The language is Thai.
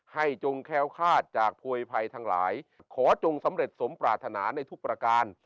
จงแค้วคาดจากโพยภัยทั้งหลายขอจงสำเร็จสมปรารถนาในทุกประการ